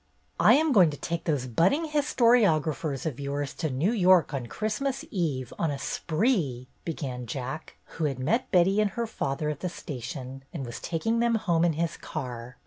"I am going to take those budding histori ographers of yours to New York on Christmas Eve on a spree/' began Jack, who had met Betty and her father at the station and was taking them home in his car.